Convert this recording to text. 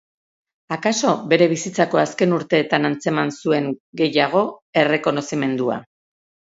Akaso bere bizitzako azken urteetan antzeman zuen, gehiago, errekonozimendua.